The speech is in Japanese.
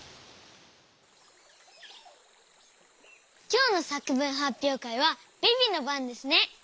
きょうのさくぶんはっぴょうかいはビビのばんですね。